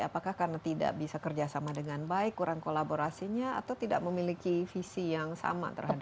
apakah karena tidak bisa kerjasama dengan baik kurang kolaborasinya atau tidak memiliki visi yang sama terhadap